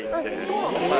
そうなんですか？